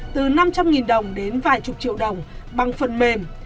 từ năm trăm linh đồng đến vài chục triệu đồng bằng phần mềm